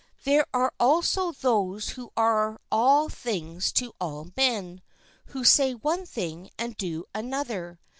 There are also those who are all things to all men, who say one thing and do another.